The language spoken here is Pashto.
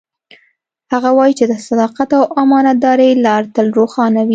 هغه وایي چې د صداقت او امانتدارۍ لار تل روښانه وي